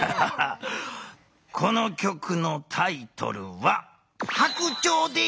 この曲のタイトルは「白鳥」です！